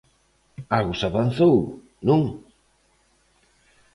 Algo se avanzou, non?